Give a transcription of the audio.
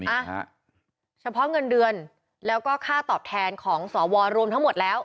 อ่ะฮะเฉพาะเงินเดือนแล้วก็ค่าตอบแทนของสวรวมทั้งหมดแล้ว